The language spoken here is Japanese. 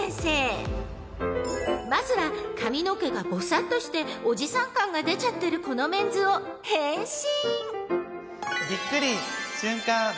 ［まずは髪の毛がぼさっとしておじさん感が出ちゃってるこのメンズを変身］